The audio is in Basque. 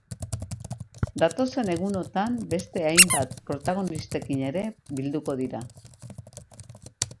Datozen egunotan beste hainbat protagonistarekin ere bilduko dira.